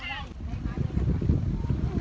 สวัสดีครับทุกคน